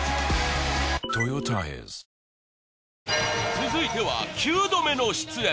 続いては９度目の出演。